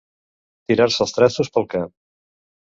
Tirar-se els trastos pel cap.